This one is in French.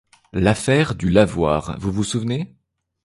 L'affaire du lavoir, vous vous souvenez ?